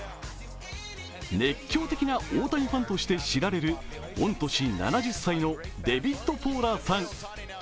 熱狂的な大谷ファンとして御年７０歳のデビット・ポーラーさん。